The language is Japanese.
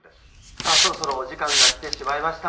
さあそろそろお時間が来てしまいました。